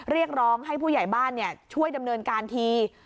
เรียกร้องให้ผู้ใหญ่บ้านช่วยดำเนินการที